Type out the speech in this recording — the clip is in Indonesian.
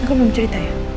aku belum cerita ya